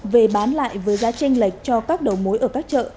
về bán lại với giá tranh lệch cho các đầu mối ở các chợ